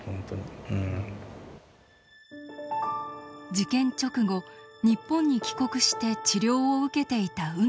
事件直後日本に帰国して治療を受けていた海野さん。